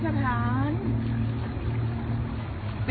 ขอบคุณครับ